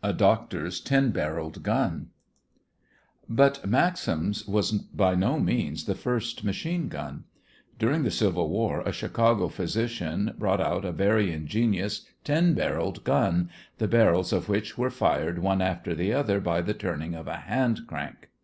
A DOCTOR'S TEN BARRELED GUN But Maxim's was by no means the first machine gun. During the Civil War a Chicago physician brought out a very ingenious ten barreled gun, the barrels of which were fired one after the other by the turning of a hand crank.